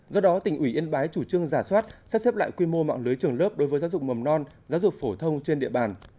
do đó tỉnh ủy yên bái chủ trương giả soát sắp xếp lại quy mô mạng lưới trường lớp đối với giáo dục mầm non giáo dục phổ thông trên địa bàn